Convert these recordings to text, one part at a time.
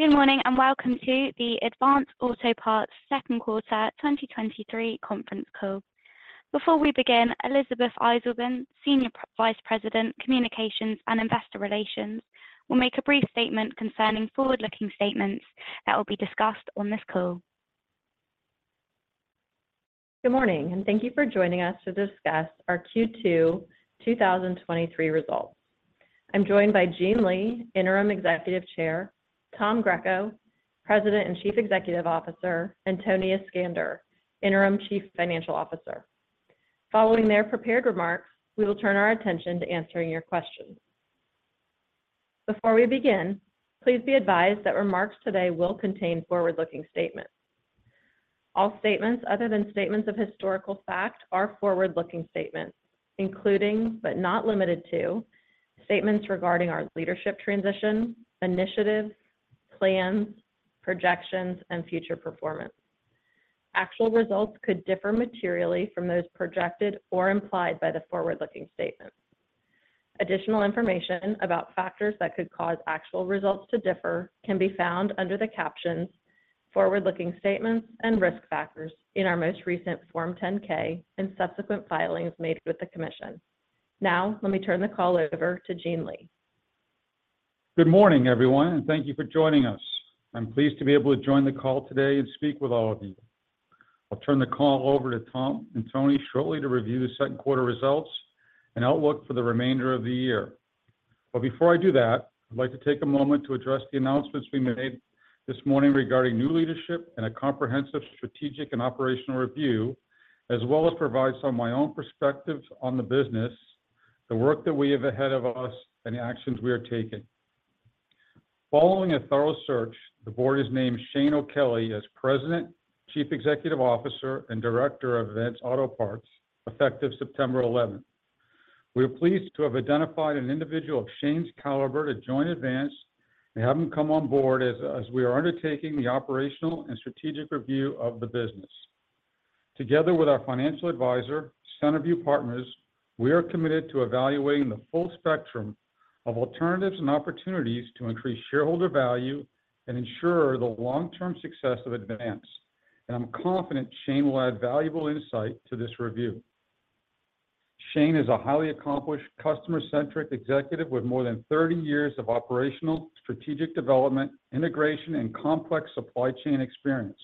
Good morning, welcome to the Advance Auto Parts Second Quarter 2023 Conference Call. Before we begin, Elisabeth Eisleben, Senior Vice President, Communications and Investor Relations, will make a brief statement concerning forward-looking statements that will be discussed on this call. Good morning, thank you for joining us to discuss our Q2 2023 results. I'm joined by Gene Lee, Interim Executive Chair, Tom Greco, President and Chief Executive Officer, and Tony Iskander, Interim Chief Financial Officer. Following their prepared remarks, we will turn our attention to answering your questions. Before we begin, please be advised that remarks today will contain forward-looking statements. All statements other than statements of historical fact are forward-looking statements, including but not limited to, statements regarding our leadership transition, initiatives, plans, projections, and future performance. Actual results could differ materially from those projected or implied by the forward-looking statements. Additional information about factors that could cause actual results to differ can be found under the captions "forward-looking statements" and "risk factors" in our most recent Form 10-K and subsequent filings made with the commission. Now, let me turn the call over to Gene Lee. Good morning, everyone, thank you for joining us. I'm pleased to be able to join the call today and speak with all of you. I'll turn the call over to Tom and Tony shortly to review the second quarter results and outlook for the remainder of the year. Before I do that, I'd like to take a moment to address the announcements we made this morning regarding new leadership and a comprehensive strategic and operational review, as well as provide some of my own perspectives on the business, the work that we have ahead of us, and the actions we are taking. Following a thorough search, the board has named Shane O'Kelly as President, Chief Executive Officer, and Director of Advance Auto Parts, effective September 11th. We are pleased to have identified an individual of Shane's caliber to join Advance and have him come on board as we are undertaking the operational and strategic review of the business. Together with our financial advisor, Centerview Partners, we are committed to evaluating the full spectrum of alternatives and opportunities to increase shareholder value and ensure the long-term success of Advance. I'm confident Shane will add valuable insight to this review. Shane is a highly accomplished, customer-centric executive with more than 30 years of operational, strategic development, integration, and complex supply chain experience.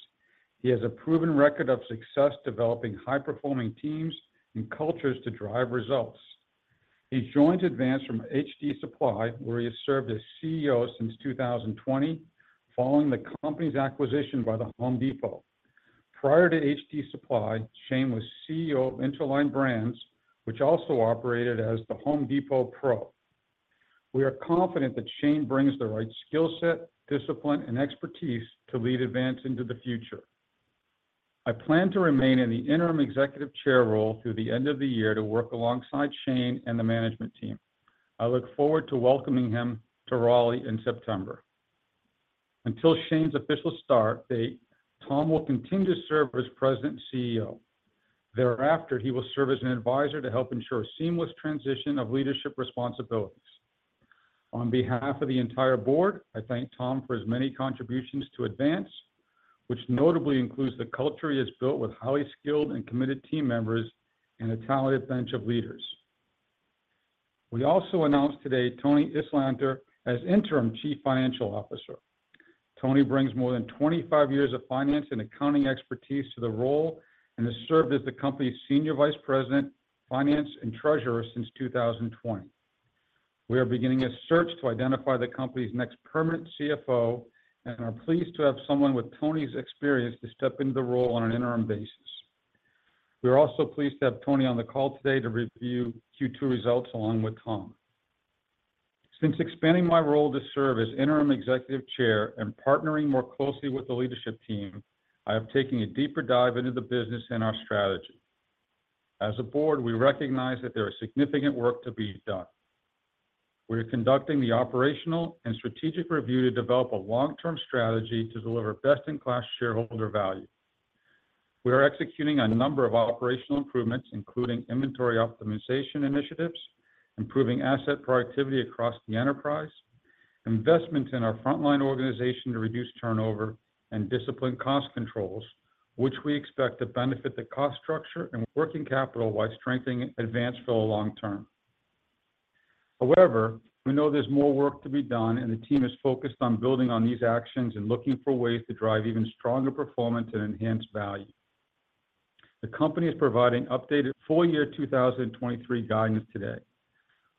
He has a proven record of success developing high-performing teams and cultures to drive results. He joins Advance from HD Supply, where he has served as CEO since 2020, following the company's acquisition by The Home Depot. Prior to HD Supply, Shane was CEO of Interline Brands, which also operated as The Home Depot Pro. We are confident that Shane brings the right skill set, discipline, and expertise to lead Advance into the future. I plan to remain in the interim executive chair role through the end of the year to work alongside Shane and the management team. I look forward to welcoming him to Raleigh in September. Until Shane's official start date, Tom will continue to serve as President and CEO. Thereafter, he will serve as an advisor to help ensure a seamless transition of leadership responsibilities. On behalf of the entire board, I thank Tom for his many contributions to Advance, which notably includes the culture he has built with highly skilled and committed team members and a talented bench of leaders. We also announced today Tony Iskander as interim Chief Financial Officer. Tony brings more than 25 years of finance and accounting expertise to the role and has served as the company's Senior Vice President, Finance and Treasurer since 2020. We are beginning a search to identify the company's next permanent CFO and are pleased to have someone with Tony's experience to step into the role on an interim basis. We are also pleased to have Tony on the call today to review Q2 results, along with Tom. Since expanding my role to serve as Interim Executive Chair and partnering more closely with the leadership team, I have taken a deeper dive into the business and our strategy. As a board, we recognize that there is significant work to be done. We are conducting the operational and strategic review to develop a long-term strategy to deliver best-in-class shareholder value. We are executing a number of operational improvements, including inventory optimization initiatives, improving asset productivity across the enterprise, investment in our frontline organization to reduce turnover and discipline cost controls, which we expect to benefit the cost structure and working capital while strengthening Advance for the long term. We know there's more work to be done, and the team is focused on building on these actions and looking for ways to drive even stronger performance and enhanced value. The company is providing updated full year 2023 guidance today,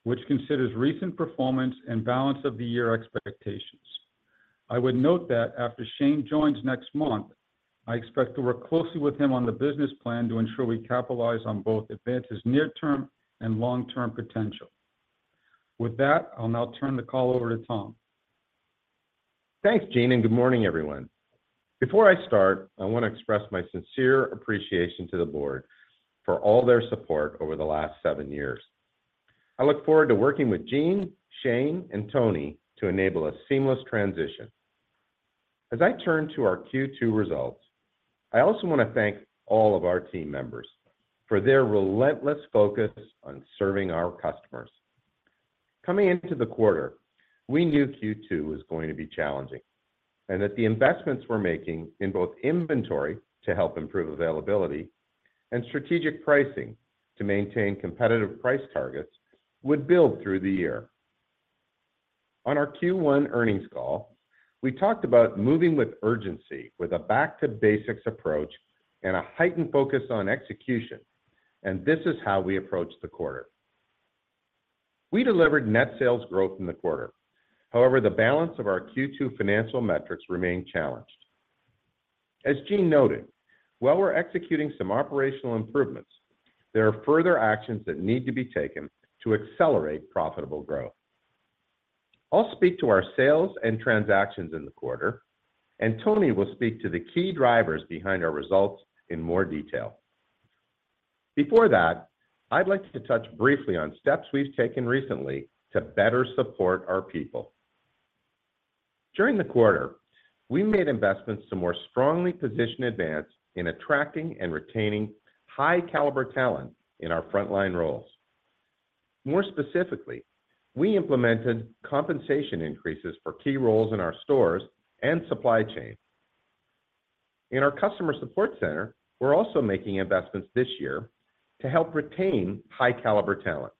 which considers recent performance and balance of the year expectations. I would note that after Shane joins next month, I expect to work closely with him on the business plan to ensure we capitalize on both Advance's near-term and long-term potential. With that, I'll now turn the call over to Tom. Thanks, Gene, and good morning, everyone. Before I start, I want to express my sincere appreciation to the board for all their support over the last seven years. I look forward to working with Gene, Shane, and Tony to enable a seamless transition. As I turn to our Q2 results... I also want to thank all of our team members for their relentless focus on serving our customers. Coming into the quarter, we knew Q2 was going to be challenging, and that the investments we're making in both inventory to help improve availability and strategic pricing to maintain competitive price targets would build through the year. On our Q1 earnings call, we talked about moving with urgency, with a back-to-basics approach and a heightened focus on execution, and this is how we approached the quarter. We delivered net sales growth in the quarter. However, the balance of our Q2 financial metrics remained challenged. As Gene noted, while we're executing some operational improvements, there are further actions that need to be taken to accelerate profitable growth. I'll speak to our sales and transactions in the quarter, and Tony will speak to the key drivers behind our results in more detail. Before that, I'd like to touch briefly on steps we've taken recently to better support our people. During the quarter, we made investments to more strongly position Advance in attracting and retaining high-caliber talent in our frontline roles. More specifically, we implemented compensation increases for key roles in our stores and supply chain. In our customer support center, we're also making investments this year to help retain high-caliber talent.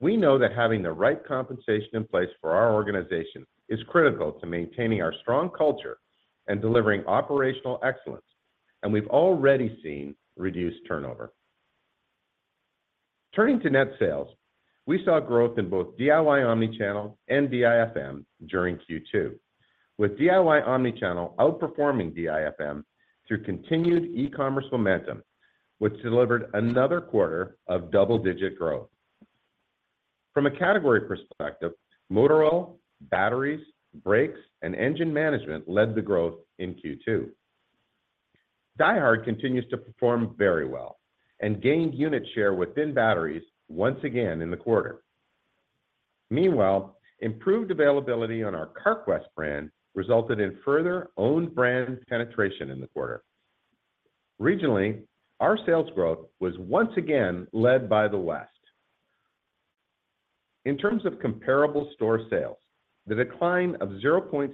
We know that having the right compensation in place for our organization is critical to maintaining our strong culture and delivering operational excellence, and we've already seen reduced turnover. Turning to net sales, we saw growth in both DIY Omnichannel and DIFM during Q2, with DIY Omnichannel outperforming DIFM through continued e-commerce momentum, which delivered another quarter of double-digit growth. From a category perspective, motor oil, batteries, brakes, and engine management led the growth in Q2. DieHard continues to perform very well and gained unit share within batteries once again in the quarter. Meanwhile, improved availability on our Carquest brand resulted in further own-brand penetration in the quarter. Regionally, our sales growth was once again led by the West. In terms of comparable store sales, the decline of 0.6%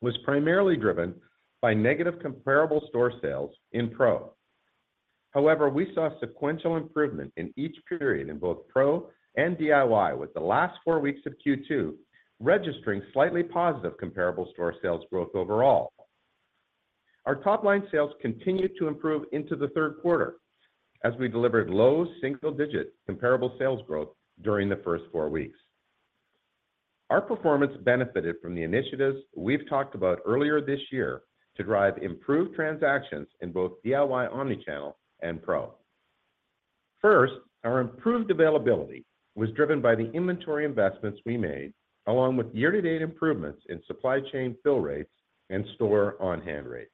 was primarily driven by negative comparable store sales in Pro. However, we saw sequential improvement in each period in both Pro and DIY, with the last four weeks of Q2 registering slightly positive comparable store sales growth overall. Our top-line sales continued to improve into the third quarter as we delivered low single-digit comparable sales growth during the first four weeks. Our performance benefited from the initiatives we've talked about earlier this year to drive improved transactions in both DIY Omnichannel and Pro. First, our improved availability was driven by the inventory investments we made, along with year-to-date improvements in supply chain fill rates and store on-hand rates.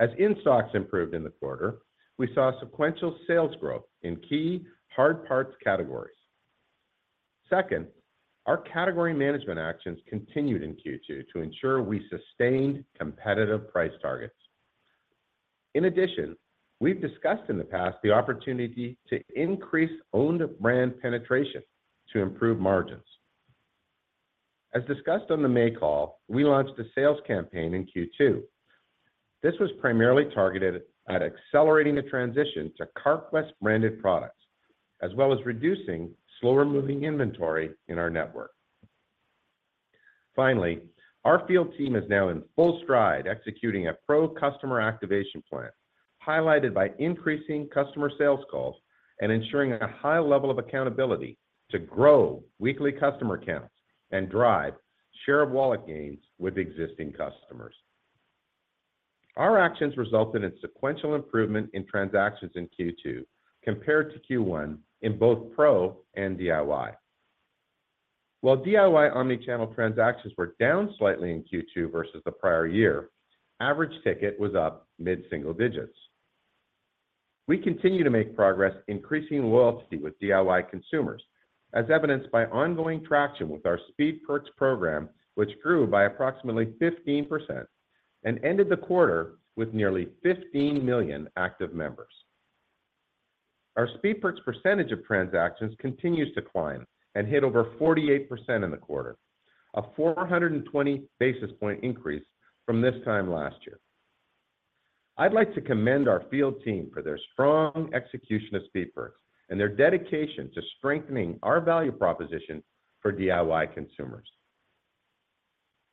As in-stocks improved in the quarter, we saw sequential sales growth in key hard parts categories. Second, our category management actions continued in Q2 to ensure we sustained competitive price targets. In addition, we've discussed in the past the opportunity to increase owned brand penetration to improve margins. As discussed on the May call, we launched a sales campaign in Q2. This was primarily targeted at accelerating the transition to Carquest-branded products, as well as reducing slower-moving inventory in our network. Finally, our field team is now in full stride, executing a Pro customer activation plan, highlighted by increasing customer sales calls and ensuring a high level of accountability to grow weekly customer counts and drive share-of-wallet gains with existing customers. Our actions resulted in sequential improvement in transactions in Q2 compared to Q1 in both Pro and DIY. While DIY Omnichannel transactions were down slightly in Q2 versus the prior year, average ticket was up mid-single digits. We continue to make progress increasing loyalty with DIY consumers, as evidenced by ongoing traction with our Speed Perks program, which grew by approximately 15% and ended the quarter with nearly 15 million active members. Our Speed Perks percentage of transactions continues to climb and hit over 48% in the quarter, a 420 basis point increase from this time last year. I'd like to commend our field team for their strong execution of Speed Perks and their dedication to strengthening our value proposition for DIY consumers.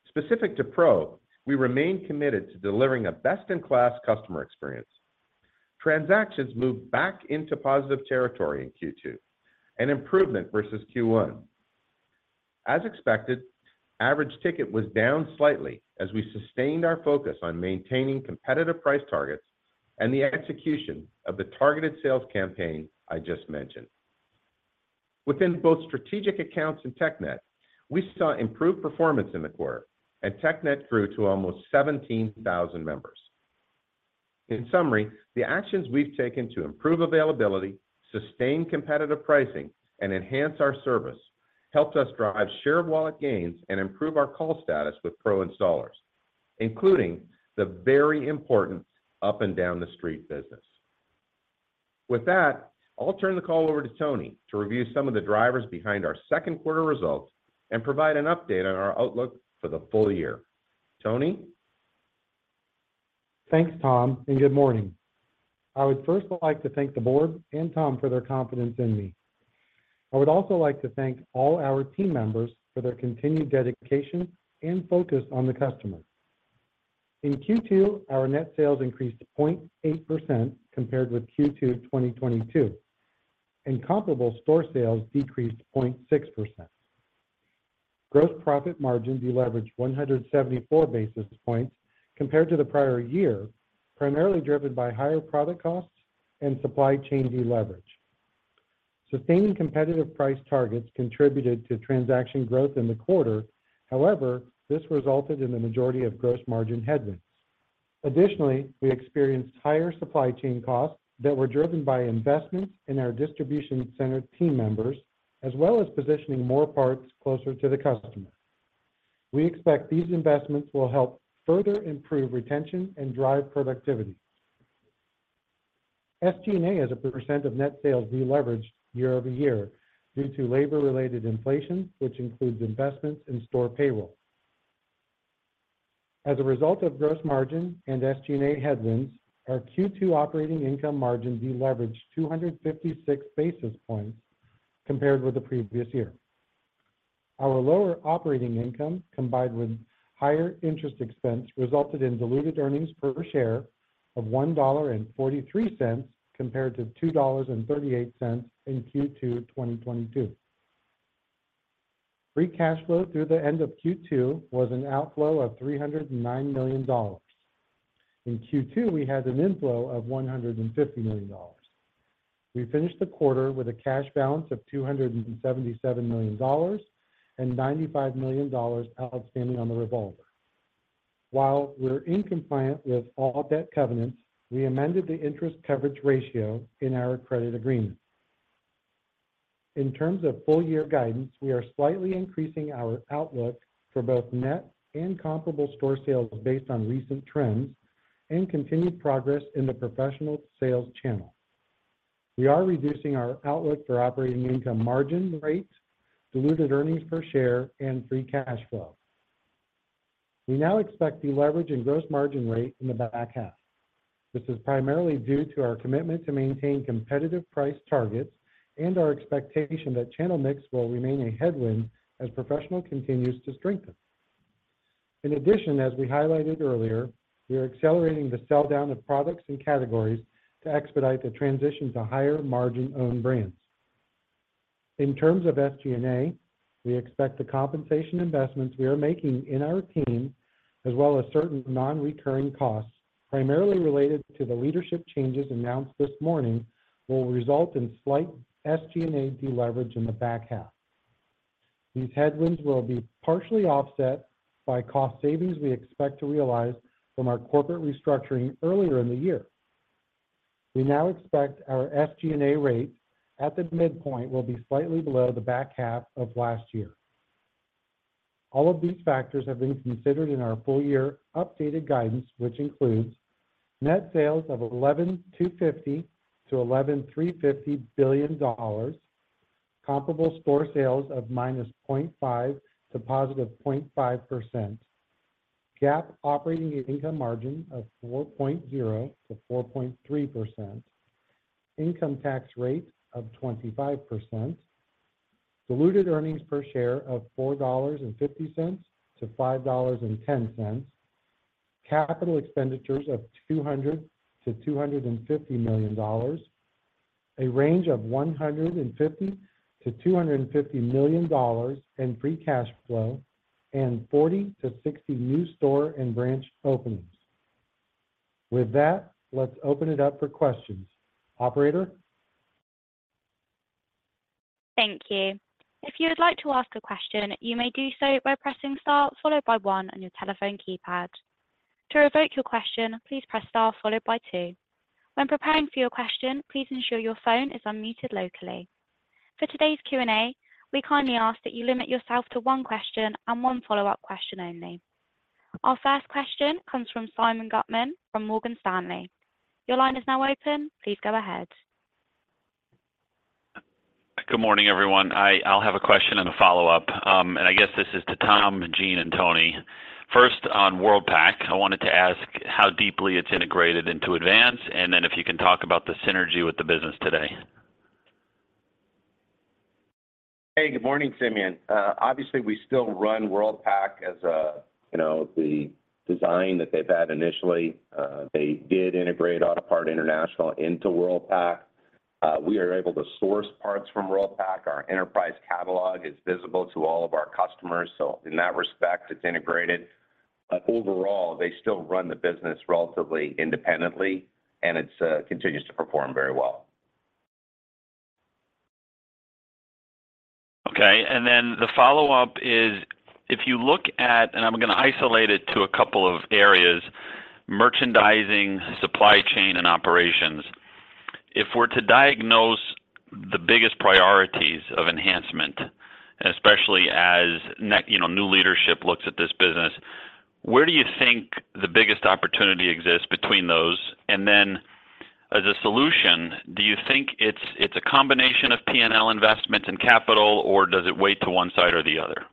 Specific to Pro, we remain committed to delivering a best-in-class customer experience. Transactions moved back into positive territory in Q2, an improvement versus Q1. As expected, average ticket was down slightly as we sustained our focus on maintaining competitive price targets and the execution of the targeted sales campaign I just mentioned. Within both strategic accounts and TechNet, we saw improved performance in the quarter, and TechNet grew to almost 17,000 members. In summary, the actions we've taken to improve availability, sustain competitive pricing, and enhance our service helped us drive share of wallet gains and improve our call status with Pro installers, including the very important up-and-down-the-street business. With that, I'll turn the call over to Tony to review some of the drivers behind our second quarter results and provide an update on our outlook for the full year. Tony? Thanks, Tom, and good morning. I would first like to thank the board and Tom for their confidence in me. I would also like to thank all our team members for their continued dedication and focus on the customer. In Q2, our net sales increased to 0.8% compared with Q2 of 2022, and comparable store sales decreased 0.6%. Gross profit margin deleveraged 174 basis points compared to the prior year, primarily driven by higher product costs and supply chain deleverage. Sustaining competitive price targets contributed to transaction growth in the quarter. However, this resulted in the majority of gross margin headwinds. Additionally, we experienced higher supply chain costs that were driven by investments in our distribution center team members, as well as positioning more parts closer to the customer. We expect these investments will help further improve retention and drive productivity. SG&A, as a % of net sales, deleveraged year-over-year due to labor-related inflation, which includes investments in store payroll. As a result of gross margin and SG&A headwinds, our Q2 operating income margin deleveraged 256 basis points compared with the previous year. Our lower operating income, combined with higher interest expense, resulted in diluted earnings per share of $1.43, compared to $2.38 in Q2 2022. Free cash flow through the end of Q2 was an outflow of $309 million. In Q2, we had an inflow of $150 million. We finished the quarter with a cash balance of $277 million and $95 million outstanding on the revolver. While we're in compliance with all debt covenants, we amended the interest coverage ratio in our credit agreement. In terms of full year guidance, we are slightly increasing our outlook for both net and comparable store sales based on recent trends and continued progress in the professional sales channel. We are reducing our outlook for operating income margin rate, diluted earnings per share, and free cash flow. We now expect deleverage in gross margin rate in the back half. This is primarily due to our commitment to maintain competitive price targets and our expectation that channel mix will remain a headwind as professional continues to strengthen. In addition, as we highlighted earlier, we are accelerating the sell-down of products and categories to expedite the transition to higher-margin owned brands. In terms of SG&A, we expect the compensation investments we are making in our team, as well as certain non-recurring costs, primarily related to the leadership changes announced this morning, will result in slight SG&A deleverage in the back half. These headwinds will be partially offset by cost savings we expect to realize from our corporate restructuring earlier in the year. We now expect our SG&A rate at the midpoint will be slightly below the back half of last year. All of these factors have been considered in our full year updated guidance, which includes net sales of $11.50 billion-$11.350 billion, comparable store sales of -0.5% to +0.5%, GAAP operating income margin of 4.0%-4.3%, income tax rate of 25%, diluted earnings per share of $4.50-$5.10, capital expenditures of $200 million-$250 million, a range of $150 million-$250 million in free cash flow, and 40-60 new store and branch openings. With that, let's open it up for questions. Operator? Thank you. If you would like to ask a question, you may do so by pressing star followed by one on your telephone keypad. To revoke your question, please press star followed by two. When preparing for your question, please ensure your phone is unmuted locally. For today's Q&A, we kindly ask that you limit yourself to 1 question and 1 follow-up question only. Our first question comes from Simeon Gutman from Morgan Stanley. Your line is now open. Please go ahead. Good morning, everyone. I'll have a question and a follow-up, and I guess this is to Tom, Gene, and Tony. First, on Worldpac, I wanted to ask how deeply it's integrated into Advance, and then if you can talk about the synergy with the business today. Hey, good morning, Simeon. Obviously, we still run Worldpac as a, you know, the design that they've had initially. They did integrate Autopart International into Worldpac. We are able to source parts from Worldpac. Our enterprise catalog is visible to all of our customers, so in that respect, it's integrated. Overall, they still run the business relatively independently, and it's continues to perform very well.. Okay, and then the follow-up is, if you look at, and I'm gonna isolate it to a couple of areas: merchandising, supply chain, and operations. If we're to diagnose the biggest priorities of enhancement, especially as you know, new leadership looks at this business, where do you think the biggest opportunity exists between those? Then as a solution, do you think it's, it's a combination of P&L investments and capital, or does it weigh to one side or the other?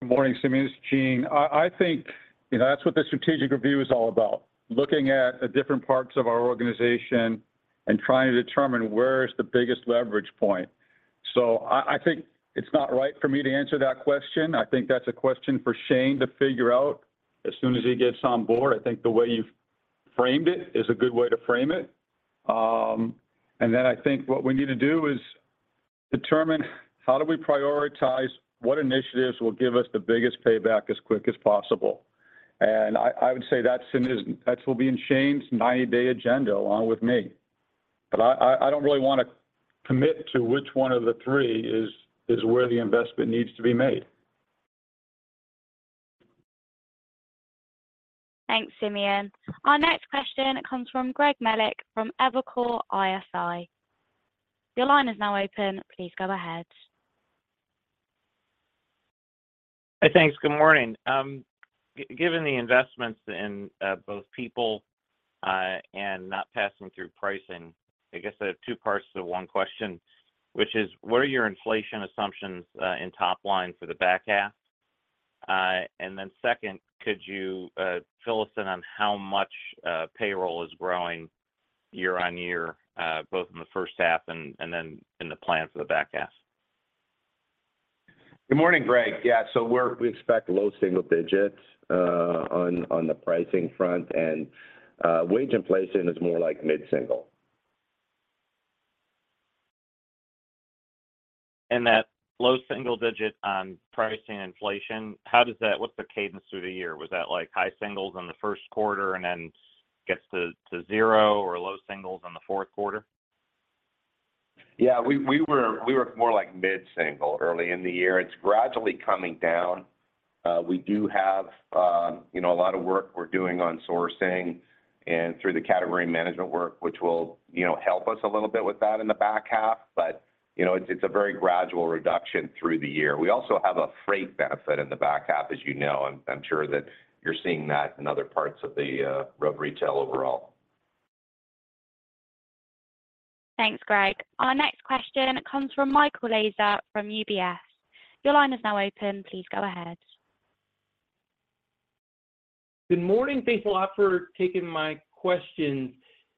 Good morning, Simeon. It's Gene. I, I think, you know, that's what the strategic review is all about, looking at the different parts of our organization and trying to determine where is the biggest leverage point. I, I think it's not right for me to answer that question. I think that's a question for Shane to figure out as soon as he gets on board. I think the way you've framed it is a good way to frame it. Then I think what we need to do is determine how do we prioritize what initiatives will give us the biggest payback as quick as possible. I, I would say that's in, that will be in Shane's 90-day agenda, along with me. I, I, I don't really wanna commit to which one of the three is, is where the investment needs to be made. Thanks, Simeon. Our next question comes from Greg Melich, from Evercore ISI. Your line is now open. Please go ahead. Hi. Thanks. Good morning. Given the investments in both people and not passing through pricing, I guess I have two parts to the one question, which is, what are your inflation assumptions in top line for the back half? Second, could you fill us in on how much payroll is growing year-on-year, both in the first half and then in the plan for the back half? Good morning, Greg. Yeah, so we expect low single digits, on, on the pricing front, and wage inflation is more like mid-single. That low single-digit on pricing inflation. What's the cadence through the year? Was that like high single-digits in the first quarter and then gets to 0 or low single-digits in the fourth quarter? Yeah, we, we were, we were more like mid-single early in the year. It's gradually coming down. We do have, you know, a lot of work we're doing on sourcing and through the category management work, which will, you know, help us a little bit with that in the back half. You know, it's, it's a very gradual reduction through the year. We also have a freight benefit in the back half, as you know, and I'm sure that you're seeing that in other parts of the retail overall. Thanks, Greg. Our next question comes from Michael Lasser from UBS. Your line is now open. Please go ahead. Good morning. Thanks a lot for taking my questions.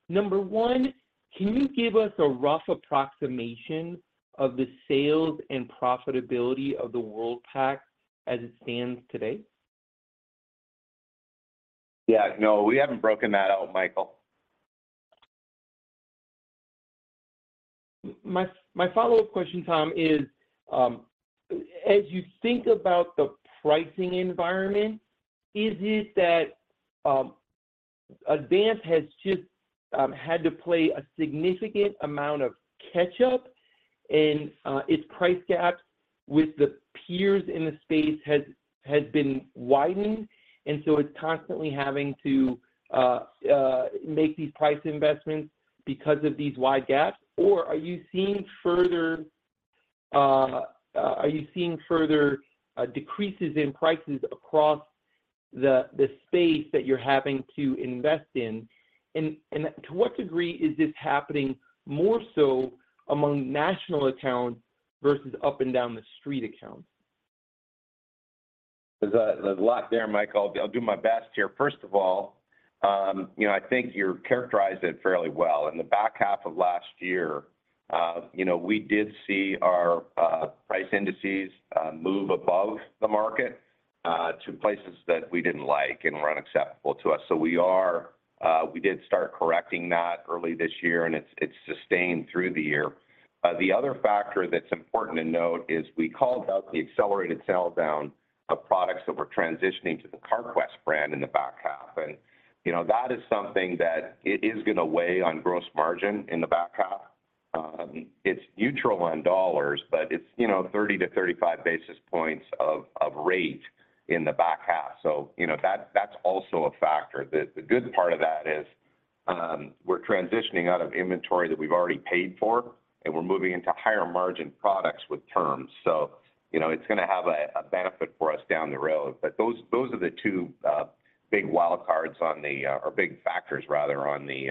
Number one, can you give us a rough approximation of the sales and profitability of the Worldpac as it stands today? Yeah. No, we haven't broken that out, Michael. My, my follow-up question, Tom, is, as you think about the pricing environment, is it that Advance has just had to play a significant amount of catch-up and its price gap with the peers in the space has, has been widened, and so it's constantly having to make these price investments because of these wide gaps? Or are you seeing further, are you seeing further, decreases in prices across the space that you're having to invest in? And to what degree is this happening more so among national accounts versus up-and-down-the-street accounts? There's a lot there, Michael. I'll do my best here. First of all, you know, I think you characterized it fairly well. In the back half of last year, you know, we did see our price indices move above the market to places that we didn't like and were unacceptable to us. We did start correcting that early this year, and it's sustained through the year. The other factor that's important to note is we called out the accelerated sell down of products that were transitioning to the Carquest brand in the back half. You know, that is something that it is gonna weigh on gross margin in the back half. It's neutral on dollars, but it's, you know, 30-35 basis points of rate in the back half. You know, that's, that's also a factor. The, the good part of that is, we're transitioning out of inventory that we've already paid for, and we're moving into higher margin products with terms. You know, it's gonna have a, a benefit for us down the road. Those, those are the two big wild cards on the or big factors rather on the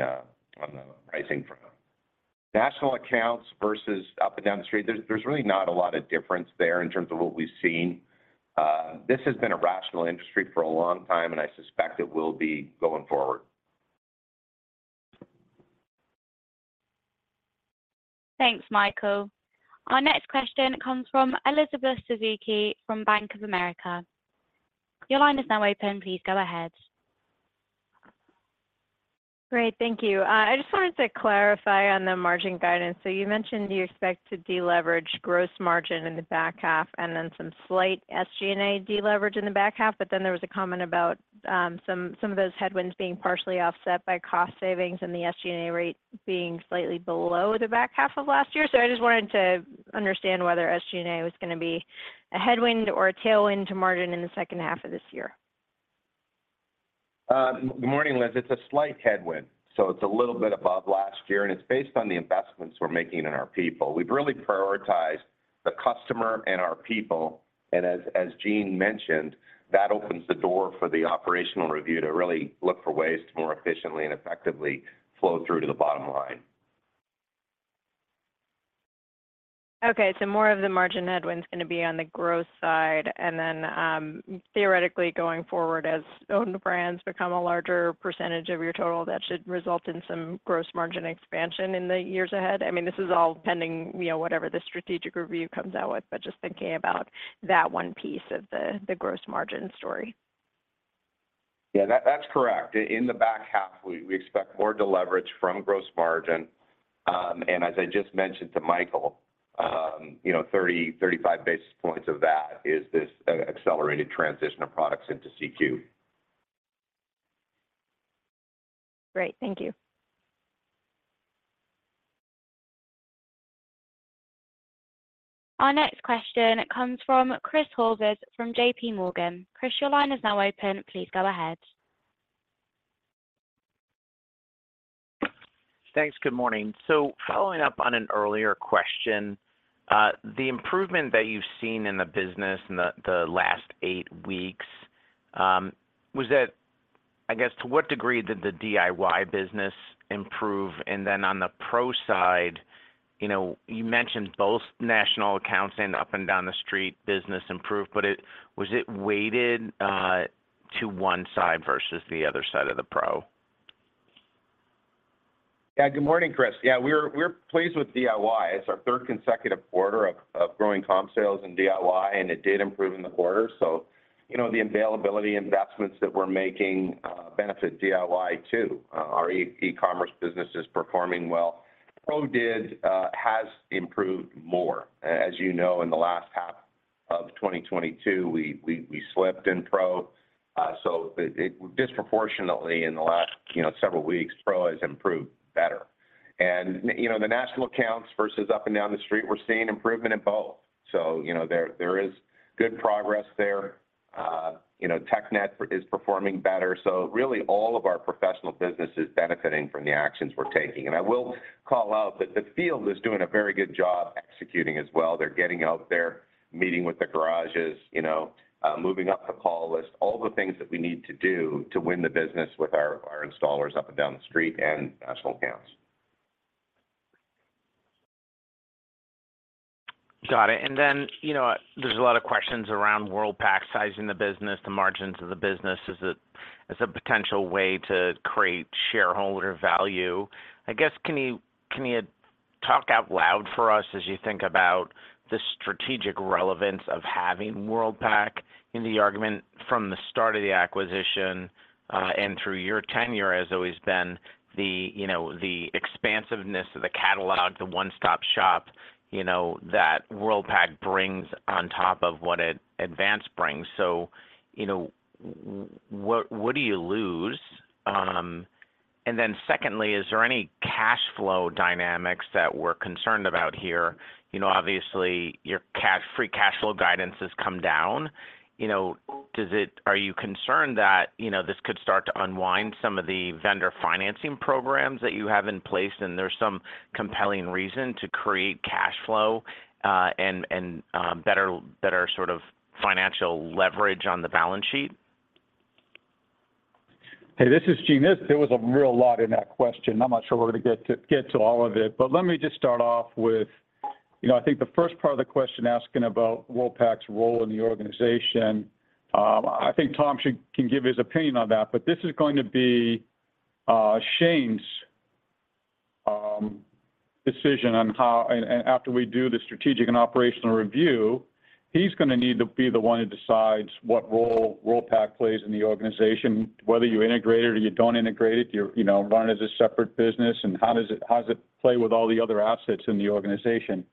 pricing front. National accounts versus up and down the street, there's, there's really not a lot of difference there in terms of what we've seen. This has been a rational industry for a long time, and I suspect it will be going forward. Thanks, Michael. Our next question comes from Elizabeth Suzuki from Bank of America. Your line is now open. Please go ahead. Great. Thank you. I just wanted to clarify on the margin guidance. You mentioned you expect to deleverage gross margin in the back half, and then some slight SG&A deleverage in the back half. Then there was a comment about, some, some of those headwinds being partially offset by cost savings and the SG&A rate being slightly below the back half of last year. I just wanted to understand whether SG&A was gonna be a headwind or a tailwind to margin in the second half of this year. Good morning, Liz. It's a slight headwind, so it's a little bit above last year, and it's based on the investments we're making in our people. We've really prioritized the customer and our people, and as, as Gene mentioned, that opens the door for the operational review to really look for ways to more efficiently and effectively flow through to the bottom line. Okay, more of the margin headwind's gonna be on the growth side, and then, theoretically, going forward, as owned brands become a larger percentage of your total, that should result in some gross margin expansion in the years ahead? I mean, this is all pending, you know, whatever the strategic review comes out with, but just thinking about that one piece of the, the gross margin story. Yeah, that's correct. In the back half, we expect more deleverage from gross margin. As I just mentioned to Michael, you know, 30-35 basis points of that is this accelerated transition of products into CQ. Great. Thank you. Our next question comes from Chris Horvers from JPMorgan. Chris, your line is now open. Please go ahead. Thanks. Good morning. Following up on an earlier question, the improvement that you've seen in the business in the, the last eight weeks, I guess, to what degree did the DIY business improve? Then on the Pro side, you know, you mentioned both national accounts and up and down the street business improved, but was it weighted to one side versus the other side of the Pro? Yeah. Good morning, Chris. Yeah, we're pleased with DIY. It's our third consecutive quarter of growing comp sales in DIY, it did improve in the quarter. You know, the availability investments that we're making, benefit DIY, too. Our e-commerce business is performing well. Pro did, has improved more. As you know, in the last half of 2022, we slipped in Pro, it disproportionately in the last, you know, several weeks, Pro has improved better. You know, the national accounts versus up and down the street, we're seeing improvement in both. You know, there is good progress there. You know, TechNet is performing better, really, all of our professional business is benefiting from the actions we're taking. I will call out that the field is doing a very good job executing as well. They're getting out there, meeting with the garages, you know, moving up the call list, all the things that we need to do to win the business with our, our installers up and down the street and national accounts. Got it. You know, there's a lot of questions around Worldpac, sizing the business, the margins of the business. Is it as a potential way to create shareholder value? I guess, can you, can you talk out loud for us as you think about the strategic relevance of having Worldpac in the argument from the start of the acquisition, and through your tenure has always been the, you know, the expansiveness of the catalog, the one-stop shop, you know, that Worldpac brings on top of what it Advance brings. You know, what, what do you lose? Secondly, is there any cash flow dynamics that we're concerned about here? You know, obviously, your free cash flow guidance has come down, you know, are you concerned that, you know, this could start to unwind some of the vendor financing programs that you have in place, and there's some compelling reason to create cash flow, and better, better sort of financial leverage on the balance sheet? Hey, this is Gene. There was a real lot in that question. I'm not sure we're gonna get to, get to all of it, but let me just start off with, you know, I think the first part of the question asking about Worldpac's role in the organization. I think Tom can give his opinion on that, but this is going to be Shane's decision on how. After we do the strategic and operational review, he's gonna need to be the one who decides what role Worldpac plays in the organization, whether you integrate it or you don't integrate it, you, you know, run it as a separate business, and how does it play with all the other assets in the organization?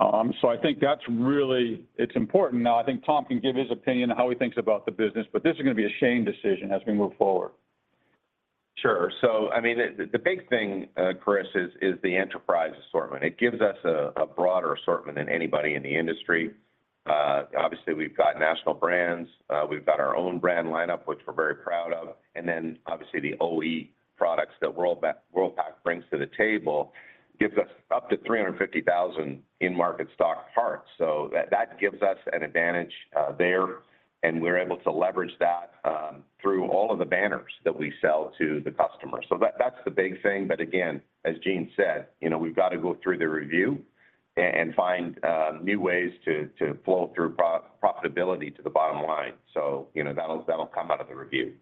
I think that's really. It's important. I think Tom can give his opinion on how he thinks about the business, but this is gonna be a Shane decision as we move forward. Sure. I mean, the, the big thing, Chris, is, is the enterprise assortment. It gives us a, a broader assortment than anybody in the industry. Obviously, we've got national brands. We've got our own brand lineup, which we're very proud of, and then, obviously, the OE products that Worldpac brings to the table, gives us up to 350,000 in-market stock parts. That, that gives us an advantage there, and we're able to leverage that through all of the banners that we sell to the customers. That's the big thing. Again, as Gene said, you know, we've got to go through the review and find new ways to, to flow through profitability to the bottom line. You know, that'll, that'll come out of the review.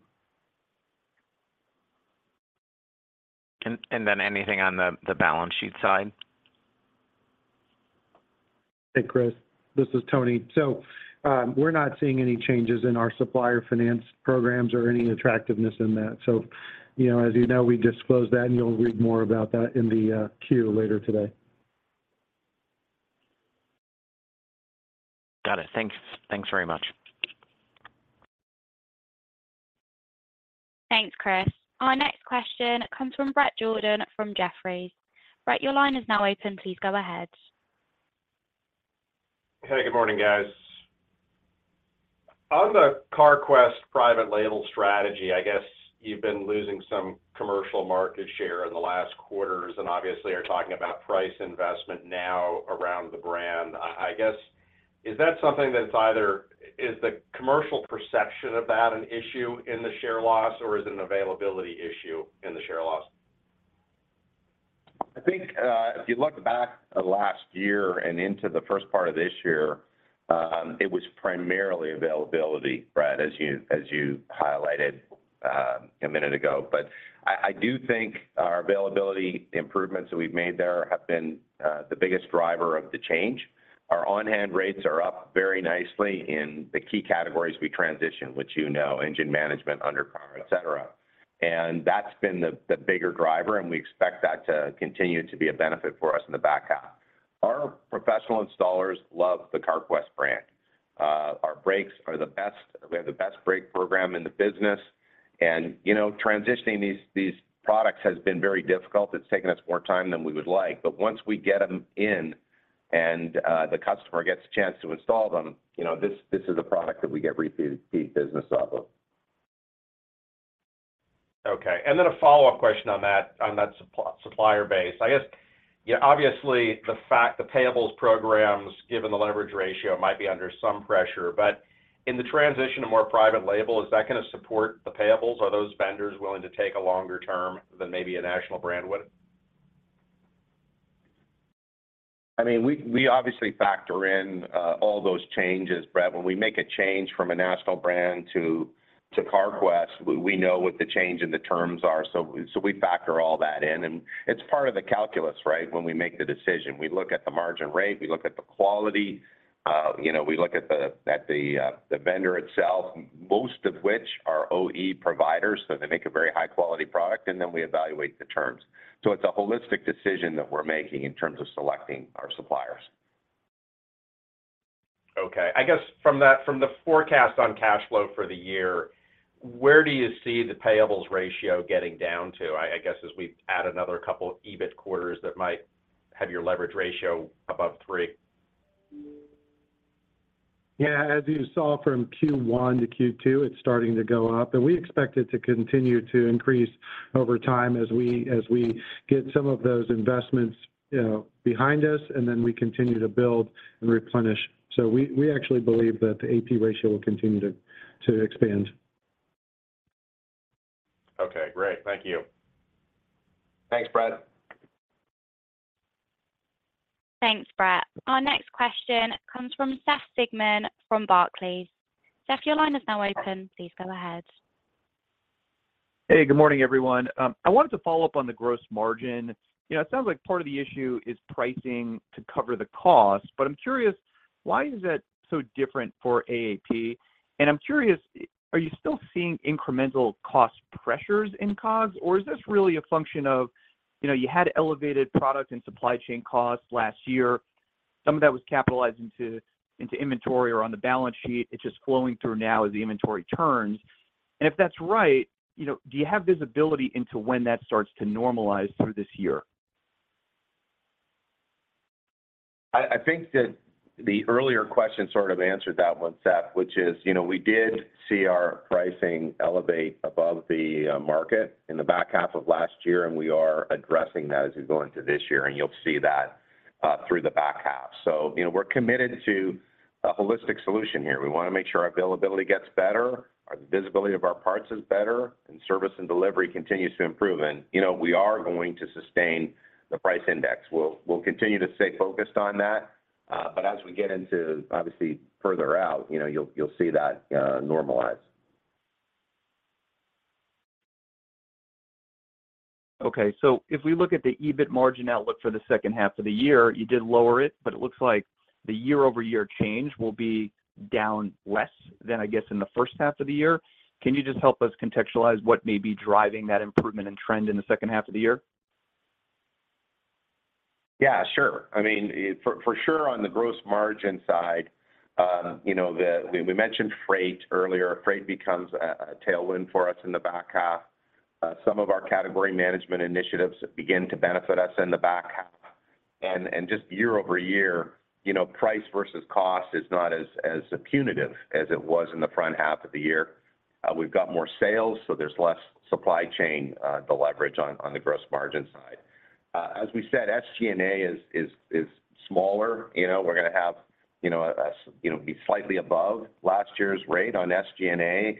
And then anything on the balance sheet side? Hey, Chris, this is Tony. We're not seeing any changes in our supplier finance programs or any attractiveness in that. You know, as you know, we disclose that, and you'll read more about that in the Q later today. Got it. Thanks. Thanks very much. Thanks, Chris. Our next question comes from Bret Jordan from Jefferies. Brett, your line is now open. Please go ahead. Hey, good morning, guys. On the Carquest private label strategy, I guess you've been losing some commercial market share in the last quarters and obviously are talking about price investment now around the brand. I guess, is that something that's either is the commercial perception of that an issue in the share loss, or is it an availability issue in the share loss? I think, if you look back at last year and into the first part of this year, it was primarily availability, Bret, as you, as you highlighted, a minute ago. I, I do think our availability improvements that we've made there have been the biggest driver of the change. Our on-hand rates are up very nicely in the key categories we transitioned, which, you know, engine management, undercar, et cetera. That's been the, the bigger driver, and we expect that to continue to be a benefit for us in the back half. Our professional installers love the Carquest brand. Our brakes are the best. We have the best brake program in the business, and, you know, transitioning these, these products has been very difficult. It's taken us more time than we would like, but once we get them in and the customer gets a chance to install them, you know, this, this is a product that we get repeat, repeat business off of. Okay, a follow-up question on that, on that supplier base. I guess, you know, obviously, the fact the payables programs, given the leverage ratio, might be under some pressure, but in the transition to more private label, is that going to support the payables? Are those vendors willing to take a longer term than maybe a national brand would? I mean, we, we obviously factor in, all those changes, Bret. When we make a change from a national brand to, to Carquest, we, we know what the change in the terms are, so we, so we factor all that in, and it's part of the calculus, right? When we make the decision, we look at the margin rate, we look at the quality, you know, we look at the, at the, the vendor itself, most of which are OE providers, so they make a very high-quality product, and then we evaluate the terms. It's a holistic decision that we're making in terms of selecting our suppliers. Okay. I guess from that, from the forecast on cash flow for the year, where do you see the payables ratio getting down to? I guess, as we add another couple EBIT quarters, that might have your leverage ratio above 3. Yeah, as you saw from Q1 to Q2, it's starting to go up, and we expect it to continue to increase over time as we, as we get some of those investments, you know, behind us, and then we continue to build and replenish. We, we actually believe that the AP ratio will continue to, to expand. Okay, great. Thank you. Thanks, Bret. Thanks, Bret. Our next question comes from Seth Sigman from Barclays. Seth, your line is now open. Please go ahead. Hey, good morning, everyone. I wanted to follow up on the gross margin. You know, it sounds like part of the issue is pricing to cover the cost, but I'm curious, why is that so different for AAP? I'm curious, are you still seeing incremental cost pressures in COGS, or is this really a function of, you know, you had elevated product and supply chain costs last year, some of that was capitalized into, into inventory or on the balance sheet, it's just flowing through now as the inventory turns. If that's right, you know, do you have visibility into when that starts to normalize through this year? I think that the earlier question sort of answered that one, Seth, which is, you know, we did see our pricing elevate above the market in the back half of last year, and we are addressing that as we go into this year, and you'll see that through the back half. You know, we're committed to a holistic solution here. We wanna make sure our availability gets better, our visibility of our parts is better, and service and delivery continues to improve. You know, we are going to sustain the price index. We'll continue to stay focused on that, but as we get into obviously further out, you know, you'll see that normalize. Okay. If we look at the EBIT margin outlook for the second half of the year, you did lower it, but it looks like the year-over-year change will be down less than, I guess, in the 1st half of the year. Can you just help us contextualize what may be driving that improvement and trend in the second half of the year? Yeah, sure. I mean, for, for sure, on the gross margin side, you know, we, we mentioned freight earlier. Freight becomes a, a tailwind for us in the back half. Some of our category management initiatives begin to benefit us in the back half. Just year-over-year, you know, price versus cost is not as, as punitive as it was in the front half of the year. We've got more sales, so there's less supply chain to leverage on, on the gross margin side. As we said, SG&A is, is, is smaller. You know, we're gonna have, you know, be slightly above last year's rate on SG&A,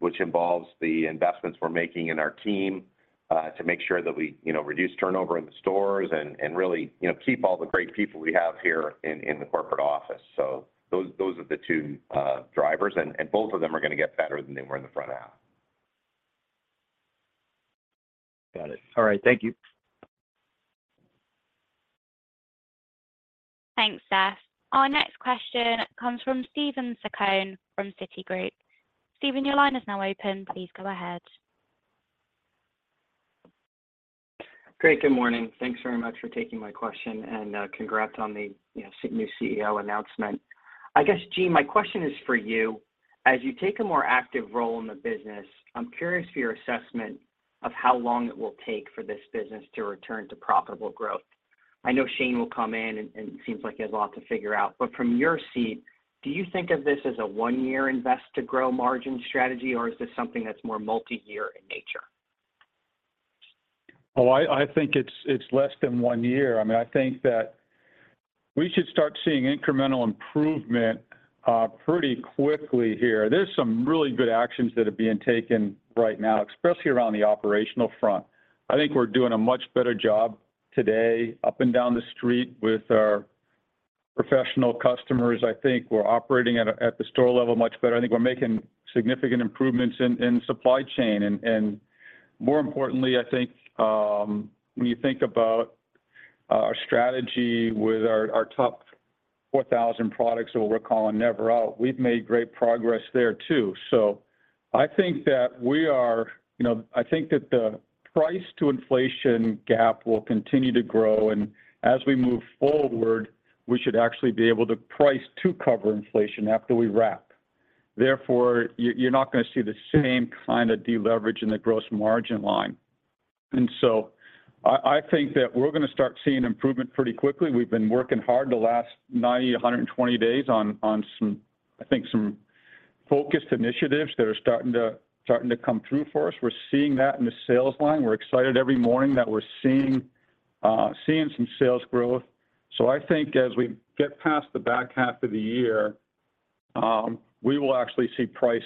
which involves the investments we're making in our team, to make sure that we, you know, reduce turnover in the stores and really, you know, keep all the great people we have here in, in the corporate office. Those, those are the two drivers, and both of them are gonna get better than they were in the front half. Got it. All right, thank you. Thanks, Seth. Our next question comes from Steven Zaccone from Citigroup. Steven, your line is now open. Please go ahead. Great, good morning. Thanks very much for taking my question, and congrats on the, you know, new CEO announcement. I guess, Gene, my question is for you. As you take a more active role in the business, I'm curious for your assessment of how long it will take for this business to return to profitable growth. I know Shane will come in, and it seems like he has a lot to figure out, but from your seat, do you think of this as a one-year invest to grow margin strategy, or is this something that's more multi-year in nature? Well, I, I think it's, it's less than one year. I mean, I think that we should start seeing incremental improvement, pretty quickly here. There's some really good actions that are being taken right now, especially around the operational front. I think we're doing a much better job today, up and down the street with our professional customers. I think we're operating at the store level much better. I think we're making significant improvements in, in supply chain. More importantly, I think, when you think about, our strategy with our, our top 4,000 products that we're calling Never Out, we've made great progress there too. I think that we are, you know, I think that the price to inflation gap will continue to grow, and as we move forward, we should actually be able to price to cover inflation after we wrap. Therefore, you're, you're not gonna see the same kind of deleverage in the gross margin line. I, I think that we're gonna start seeing improvement pretty quickly. We've been working hard the last 90, 120 days on, on some, I think, some focused initiatives that are starting to, starting to come through for us. We're seeing that in the sales line. We're excited every morning that we're seeing, seeing some sales growth. I think as we get past the back half of the year, we will actually see price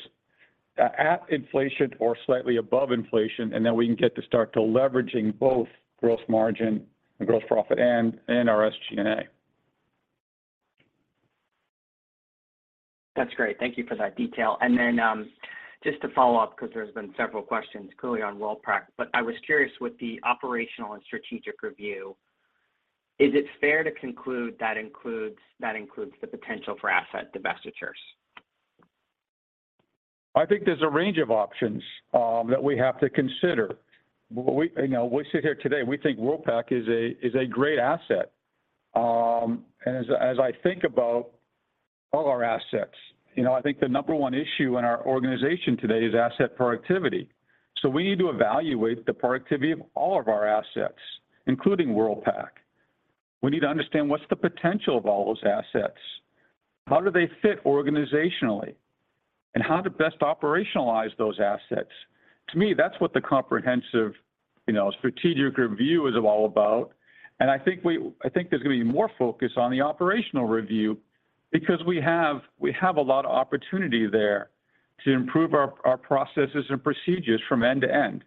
at, at inflation or slightly above inflation, and then we can get to start to leveraging both gross margin and gross profit and, and our SG&A. That's great. Thank you for that detail. Just to follow up, because there's been several questions clearly on Worldpac, but I was curious with the operational and strategic review, is it fair to conclude that includes, that includes the potential for asset divestitures? I think there's a range of options that we have to consider. You know, we sit here today, we think Worldpac is a great asset. As, as I think about all our assets, you know, I think the number one issue in our organization today is asset productivity. We need to evaluate the productivity of all of our assets, including Worldpac. We need to understand what's the potential of all those assets? How do they fit organizationally, and how to best operationalize those assets? To me, that's what the comprehensive, you know, strategic review is all about. I think there's gonna be more focus on the operational review because we have, we have a lot of opportunity there to improve our, our processes and procedures from end to end.